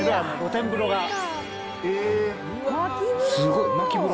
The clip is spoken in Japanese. すごい、まき風呂？